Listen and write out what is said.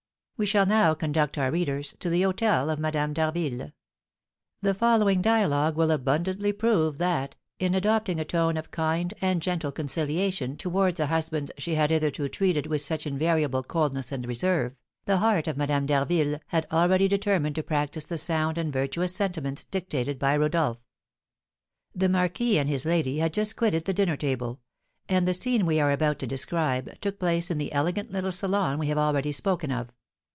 We shall now conduct our readers to the hôtel of Madame d'Harville. The following dialogue will abundantly prove that, in adopting a tone of kind and gentle conciliation towards a husband she had hitherto treated with such invariable coldness and reserve, the heart of Madame d'Harville had already determined to practise the sound and virtuous sentiments dictated by Rodolph. The marquis and his lady had just quitted the dinner table, and the scene we are about to describe took place in the elegant little salon we have already spoken of.